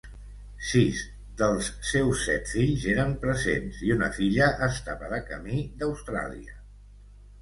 Sis dels seus set fills eren presents, i una filla estava de camí d'Austràlia.